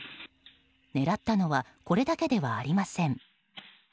狙ったのはこれだけではありません。